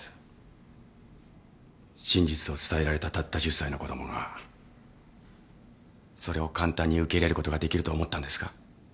真実を伝えられたたった１０歳の子供がそれを簡単に受け入れることができると思ったんですか？